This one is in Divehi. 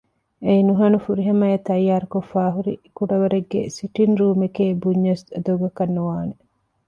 އެއީ ނުހަނު ފުރިހަމައަށް ތައްޔާރުކޮށްފައި ހުރި ކުޑަވަރެއްގެ ސިޓިންގރޫމެކޭ ބުންޏަސް ދޮގަކަށް ނުވާނެ